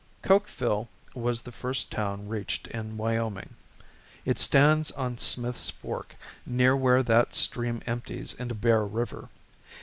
Cokeville was the first town reached in Wyoming. It stands on Smith's Fork, near where that stream empties into Bear River.